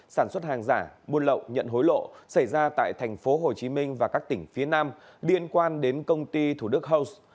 sản xuất hàng giả buôn lậu nhận hối lộ xảy ra tại tp hcm và các tỉnh phía nam liên quan đến công ty thủ đức house